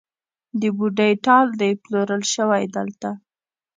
د بوډۍ ټال دی پلورل شوی دلته